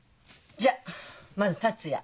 じゃあまず達也。